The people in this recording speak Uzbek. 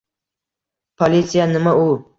Politsiya – nima u?